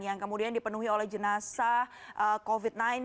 yang kemudian dipenuhi oleh jenazah covid sembilan belas